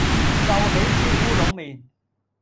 壽喜燒烏龍麵